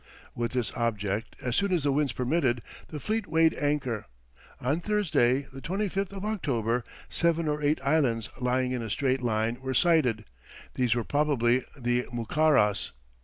With this object, as soon as the winds permitted, the fleet weighed anchor. On Thursday, the 25th of October, seven or eight islands lying in a straight line were sighted, these were probably the Mucaras.